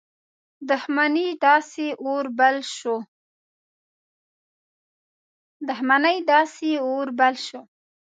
دښمنۍ داسي اور بل شو.